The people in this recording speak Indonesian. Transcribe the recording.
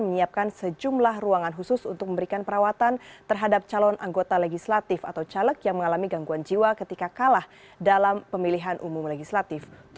menyiapkan sejumlah ruangan khusus untuk memberikan perawatan terhadap calon anggota legislatif atau caleg yang mengalami gangguan jiwa ketika kalah dalam pemilihan umum legislatif